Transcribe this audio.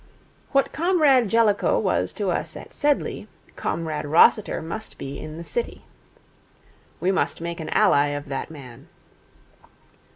What Comrade Jellicoe was to us at Sedleigh, Comrade Rossiter must be in the City. We must make an ally of that man.